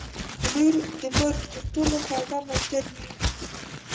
• لور د مور تر ټولو خوږه ملګرې وي.